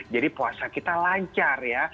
puasa kita lancar ya